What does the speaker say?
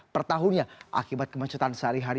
pertahunya akibat kemacetan sehari hari